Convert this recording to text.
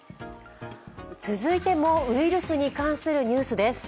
続いてもウイルスに関するニュースです。